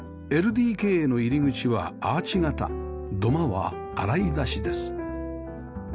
ＬＤＫ への入り口はアーチ形土間は洗い出しです